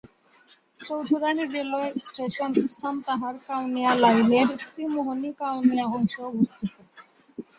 Chowdhurani railway station Santahar-Kaunia লাইনের ত্রিমোহনী-কাউনিয়া অংশে অবস্থিত।